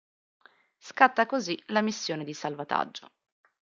Scatta così la missione di salvataggio.